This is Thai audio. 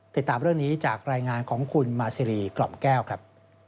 ติดตามเรื่องนี้จากรายงานของคุณมาซีรีกล่อมแก้วครับ